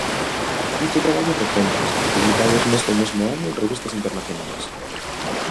Cito traballos recentes, publicados neste mesmo ano en revistas internacionais.